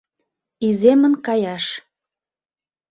Иземын каяш